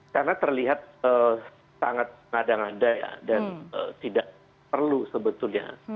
karena terlihat sangat ngada ngada dan tidak perlu sebetulnya